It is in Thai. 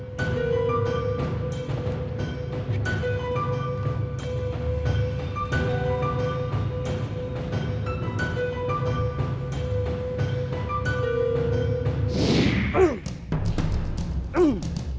อืม